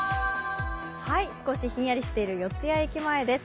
少しひんやりしている四ツ谷駅前です。